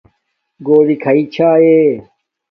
گݸلݵ کھݳئی چھݳئݺ؟